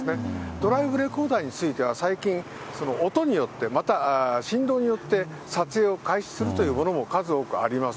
ドライブレコーダーについては最近、音によって、また振動によって、撮影を開始するというものも数多くあります。